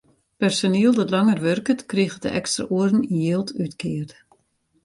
Personiel dat langer wurket, kriget de ekstra oeren yn jild útkeard.